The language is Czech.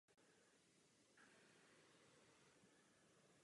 Od května do září dosahuje nejvyšších vodních stavů.